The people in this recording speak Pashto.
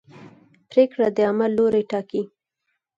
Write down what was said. پرېکړه د عمل لوری ټاکي.